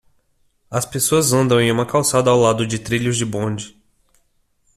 As pessoas andam em uma calçada ao lado de trilhos de bonde.